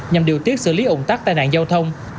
nhằm điều tiết xử lý ủng tắc tai nạn giao thông